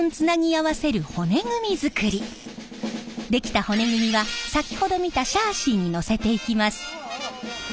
出来た骨組みは先ほど見たシャーシーにのせていきます。